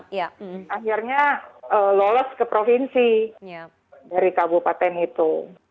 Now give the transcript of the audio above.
akhirnya lolos ke provinsi dari kabupaten itu